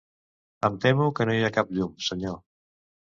Em temo que no hi ha cap llum, senyor.